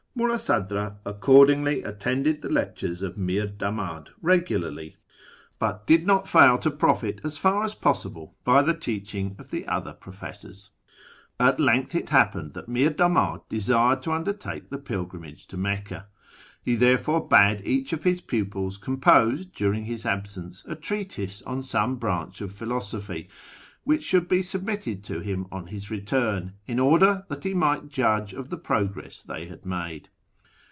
]\Iulhi Sadra accordingly attended the lectures of Mir Dtimiid regularly, but did not fail to profit as far as possible by the teaching of the other professors. At length it happened that Mir Damad desired to under take the pilgrimage to Mecca. He therefore bade each of his pupils comj)ose during his absence a treatise on some branch of philosophy, which should be submitted to him on his return, in order that he might judge of the progress they had made.